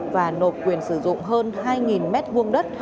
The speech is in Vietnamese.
và nộp quyền sử dụng hơn hai m hai đất